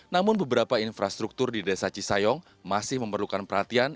namun beberapa infrastruktur di desa cisayong masih memerlukan perhatian